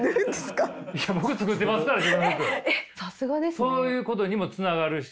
そういうことにもつながるし。